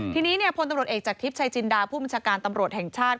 ทีนี้พลตำรวจเอกจากทิพย์ชายจินดาผู้บัญชาการตำรวจแห่งชาติ